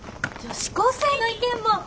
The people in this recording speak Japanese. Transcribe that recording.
女子高生の意見も。